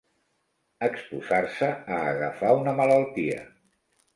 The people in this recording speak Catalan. Exposar-se a agafar una malaltia.